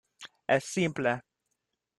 Es simple.